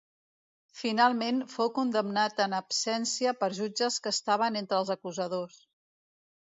Finalment fou condemnat en absència per jutges que estaven entre els acusadors.